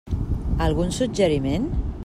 Algun suggeriment?